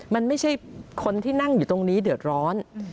มันไม่ใช่คนที่นั่งอยู่ตรงนี้เดือดร้อน